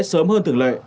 sớm hơn thường lệ